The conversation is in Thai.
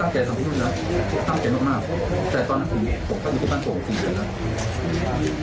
จ้องคงรู้ไม่รอบ